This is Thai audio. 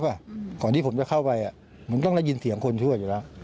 ไม่มีลักษณะเหมือนสิ่งมีชีวิต